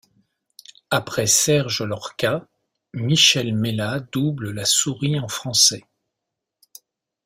Après Serge Lhorca, Michel Mella double la souris en français.